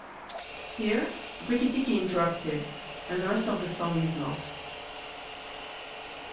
(Here Rikki tikki interrupted, and the rest of the song is lost.)